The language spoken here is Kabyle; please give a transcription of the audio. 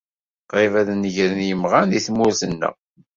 Qrib ad negren imɣan deg tmurt-neɣ.